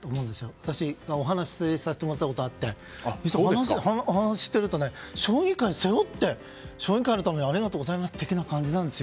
私もお話したことがあって話をしていると将棋界を背負って将棋のためにありがとうございますみたいな感じなんですよ。